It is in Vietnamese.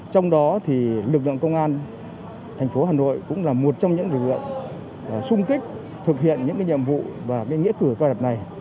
trong đó thì lực lượng công an thành phố hà nội cũng là một trong những lực lượng xung kích thực hiện những cái nhiệm vụ và cái nghĩa cử cao đẹp này